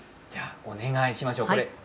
お願いしましょう。